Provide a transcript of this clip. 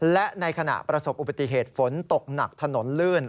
และในขณะประสบอุบัติเหตุฝนตกหนักถนนลื่น